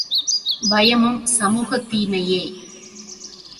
பயமும் சமூகத் தீமையே.